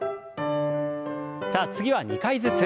さあ次は２回ずつ。